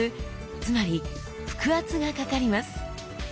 つまり腹圧がかかります。